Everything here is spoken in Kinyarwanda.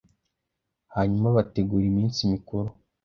hanyuma bategura iminsi mikuru